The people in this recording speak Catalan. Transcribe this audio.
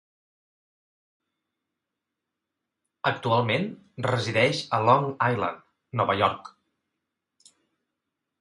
Actualment resideix a Long Island, Nova York.